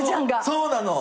そうなの！